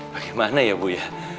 bagaimana ya bu ya